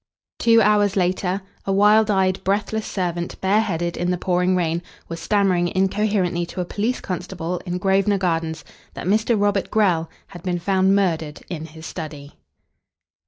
Two hours later a wild eyed, breathless servant bareheaded in the pouring rain, was stammering incoherently to a police constable in Grosvenor Gardens that Mr. Robert Grell had been found murdered in his study.